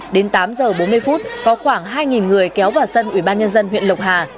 đến tám giờ bốn mươi phút có khoảng hai người kéo vào sân ủy ban nhân dân huyện lộc hà